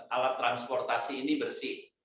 alat transportasi ini bersih